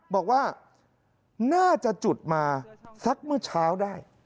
บอกว่าน่าจะจุดมาสักเมื่อเช้าได้